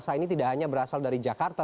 ini tidak hanya berasal dari jakarta